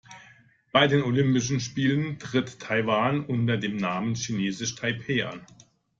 Bei den Olympischen Spielen tritt Taiwan unter dem Namen „Chinesisch Taipeh“ an.